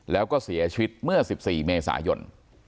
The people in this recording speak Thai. แล้วก็เสียชีวิตเมื่อ๑๔เมษายน